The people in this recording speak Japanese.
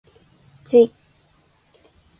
じゅい